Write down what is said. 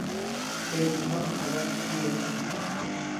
Tay demagh kharab shiaw e?